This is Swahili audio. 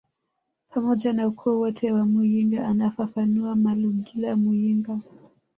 pamoja na ukoo wote wa muyinga anafafanua Malugila Muyinga